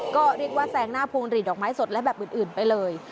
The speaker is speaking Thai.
ก็เรียกว่าแซงหน้าพวงหลีดดอกไม้สดและแบบอื่นไปเลย